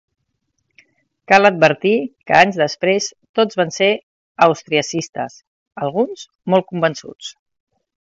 Cal advertir que anys després tots van ser austriacistes, alguns molt convençuts.